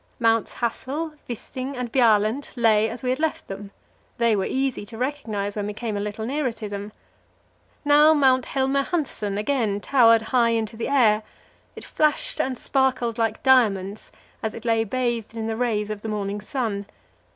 Mounts Hassel, Wisting, and Bjaaland, lay as we had left them; they were easy to recognize when we came a little nearer to them. Now Mount Helmer Hanssen again towered high into the air; it flashed and sparkled like diamonds as it lay bathed in the rays of the morning sun.